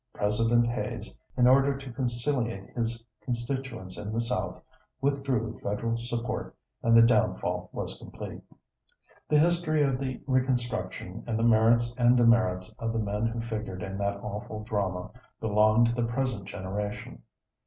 President Hayes, in order to conciliate his constituents in the South, withdrew federal support, and the downfall was complete. The history of the Reconstruction and the merits and demerits of the men who figured in that awful drama belong to the present generation.